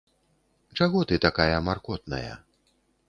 Чаго ты такая маркотная?